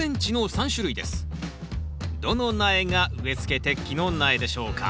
どの苗が植えつけ適期の苗でしょうか？